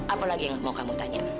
apa lagi yang mau kamu tanya